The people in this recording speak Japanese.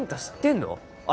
知ってんの？